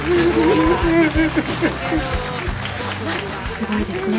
すごいですね。